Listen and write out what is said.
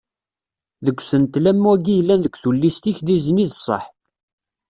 Deg usentel am wagi yellan deg tullist-ik d izen i d sseḥ.